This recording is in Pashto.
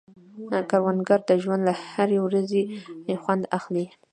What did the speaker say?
کروندګر د ژوند له هرې ورځې خوند اخلي